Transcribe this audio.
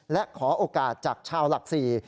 และขอโอกาสจากชาวหลักศรี